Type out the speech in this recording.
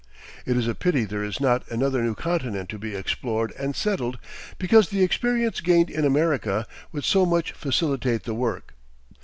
It is a pity there is not another new continent to be explored and settled, because the experience gained in America would so much facilitate the work.